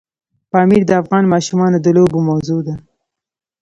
پامیر د افغان ماشومانو د لوبو موضوع ده.